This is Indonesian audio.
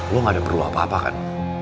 lo gak ada perlu apa apa kan